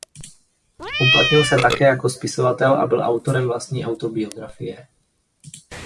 Uplatnil se také jako spisovatel a byl autorem vlastní autobiografie.